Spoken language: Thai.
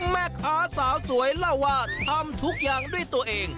แม่ค้าสาวสวยเล่าว่าทำทุกอย่างด้วยตัวเอง